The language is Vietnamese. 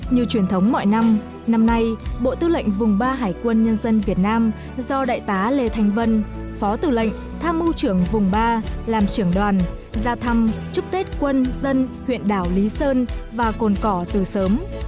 như truyền thống mọi năm năm nay bộ tư lệnh vùng ba hải quân nhân dân việt nam do đại tá lê thanh vân phó tư lệnh tham mưu trưởng vùng ba làm trưởng đoàn ra thăm chúc tết quân dân huyện đảo lý sơn và cồn cỏ từ sớm